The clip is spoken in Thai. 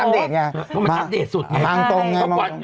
มันอัปเดตสุดเนี่ย